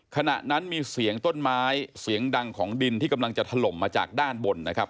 ขณะนั้นมีเสียงต้นไม้เสียงดังของดินที่กำลังจะถล่มมาจากด้านบนนะครับ